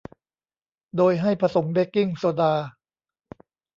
โดยให้ผสมเบกกิ้งโซดา